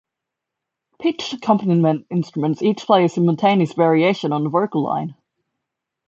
Pitched accompaniment instruments each play a simultaneous variation on the vocal line.